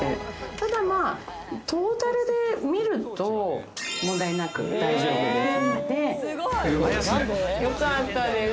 ただトータルで見ると問題なく大丈夫です。